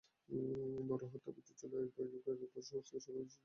নরহত্যা বৃদ্ধির জন্য আইন প্রয়োগকারী সংস্থাকে শতভাগ নিশ্চয় দায়ী করা যাবে না।